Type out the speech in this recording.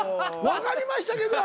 「分かりましたけど」